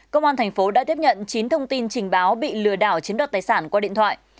công an thành phố đã tiếp nhận chín thông tin trình báo bị lừa đảo chiếm đoạt tài sản qua điện thoại